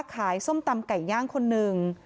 ส้มตำไก่ย่างคนหนึ่ง